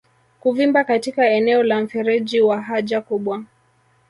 Kuvimba katika eneo la mfereji wa haja kubwa